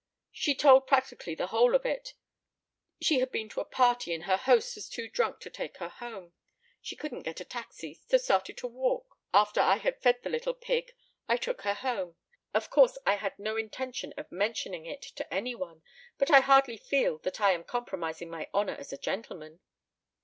She told practically the whole of it. She had been to a party and her host was too drunk to take her home. She couldn't get a taxi, so started to walk. After I had fed the little pig I took her home. Of course I had no intention of mentioning it to any one, but I hardly feel that I am compromising my honor as a gentleman!"